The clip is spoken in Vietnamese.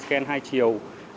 scan hai chiều